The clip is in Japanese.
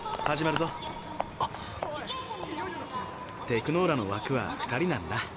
テクノーラの枠は２人なんだ。